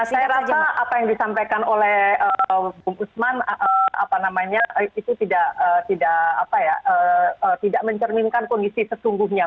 saya rasa apa yang disampaikan oleh bung usman itu tidak mencerminkan kondisi sesungguhnya